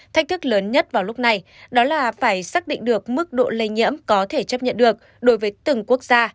thách thức lớn nhất vào lúc này đó là phải xác định được mức độ lây nhiễm có thể chấp nhận được đối với từng quốc gia